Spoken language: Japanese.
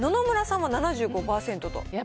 野々村さんは７５％と。